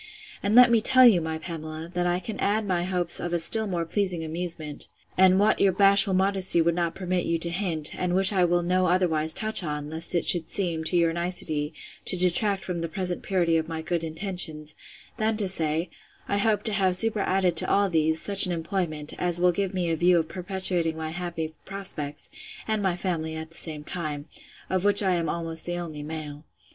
—And let me tell you, my Pamela, that I can add my hopes of a still more pleasing amusement, and what your bashful modesty would not permit you to hint; and which I will no otherwise touch upon, lest it should seem, to your nicety, to detract from the present purity of my good intentions, than to say, I hope to have superadded to all these, such an employment, as will give me a view of perpetuating my happy prospects, and my family at the same time; of which I am almost the only male.